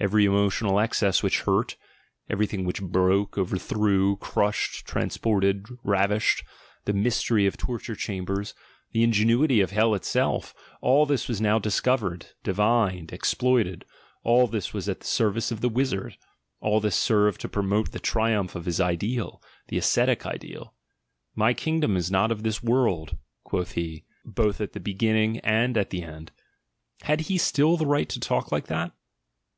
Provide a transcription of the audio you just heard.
Every emotional excess which hurt; everything which broke, overthrew, crushed, transported, ravished; the nvystery of torture chambers, the ingenuity of hell itself — all this was now discovered, divined, exploited, all this was at the service of the wizard, all this served to pro mote the triumph of his ideal, the ascetic ideal. "My kingdom is not of this world," quoth he, both at the be ginning and at the end: had he still the right to talk like that?